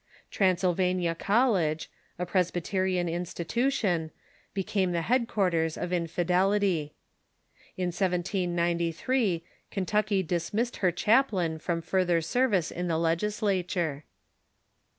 • Transylvania College, a Presbyterian institution, became the headquarters of infidelity. In 1793, Kentucky dismissed her chaplain from further service in the legislature.